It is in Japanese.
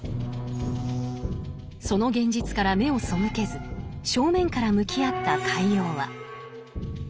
その現実から目を背けず正面から向き合ったカイヨワ。